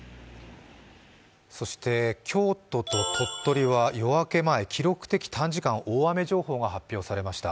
そして、京都と鳥取は夜明け前記録的短時間大雨情報が発表されました。